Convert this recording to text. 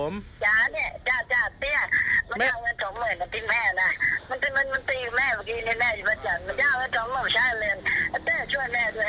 มันตี